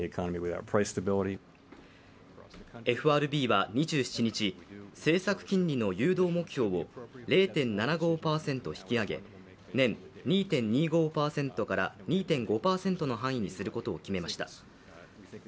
ＦＲＢは２７日、政策金利の誘導目標を０．７５％引き上げ年２．２５％から２．５％の範囲にすることを決めました。